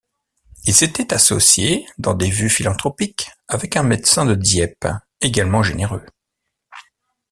Il s’était associé, dans des vues philanthropiques, avec un médecin de Dieppe également généreux.